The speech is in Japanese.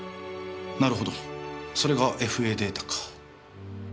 なるほどそれがＦＡデータか。